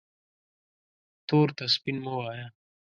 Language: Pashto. تور ته سپین مه وایه